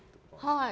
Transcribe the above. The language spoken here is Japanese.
はい。